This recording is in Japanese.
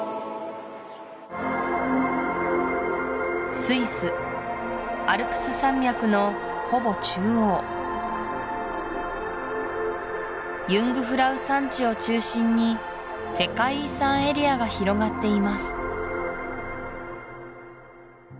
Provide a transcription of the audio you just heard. スイスアルプス山脈のほぼ中央ユングフラウ山地を中心に世界遺産エリアが広がっています